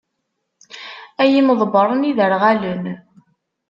Ay imḍebbren iderɣalen!